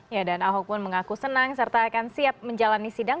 ya dan ahok pun mengaku senang serta akan siap menjalani sidang